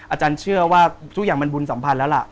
อาจารย์เชื่อว่าทุกอย่างมันบุญสัมพันธ์แล้วล่ะ